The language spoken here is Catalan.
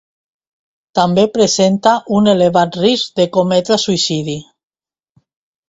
També presenta un elevat risc de cometre suïcidi.